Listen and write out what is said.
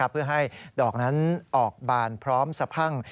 เพื่อให้ดอกนั้นออกบานพร้อมสะพั่ง